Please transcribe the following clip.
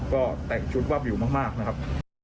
ก็แต่งชุดวาบวิวมากนะครับ